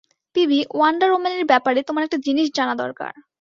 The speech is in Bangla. পিবি, ওয়ান্ডার ওম্যানের ব্যাপারে তোমার একটা জিনিস জানা দরকার।